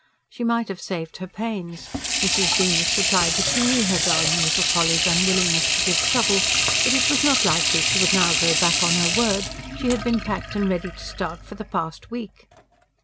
She might have saved her pains. Mrs. Beamish replied that she knew her darling little Polly's unwillingness to give trouble; but it was not likely she would now go back on her word: she had been packed and ready to start for the past week.